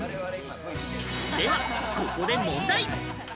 ではここで問題。